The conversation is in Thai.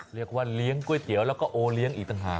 เรียกว่าเลี้ยงก๋วยเตี๋ยวแล้วก็โอเลี้ยงอีกต่างหาก